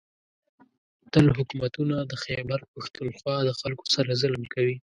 . تل حکومتونه د خېبر پښتونخوا د خلکو سره ظلم کوي